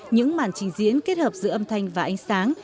những màn trình diễn kết hợp giữa âm thanh và ánh sáng